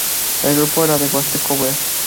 El grupo era de Huatusco, Ver.